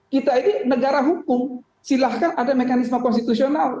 kita ini negara hukum silahkan ada mekanisme konstitusional